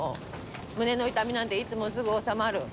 胸の痛みなんていつもすぐ治まる。